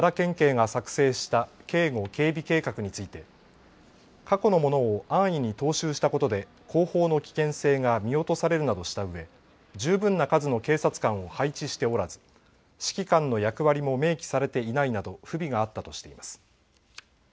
また奈良県警が作成した警護・警備計画について過去のものを安易に踏襲したことで後方の危険性が見落とされるなどしたうえ、十分な数の警察官を配置しておらず指揮官の役割も明記されていないなど不備があったとしています。